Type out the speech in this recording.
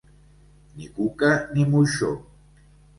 Ni cuca ni moixó.